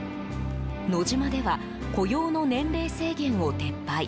ノジマでは雇用の年齢制限を撤廃。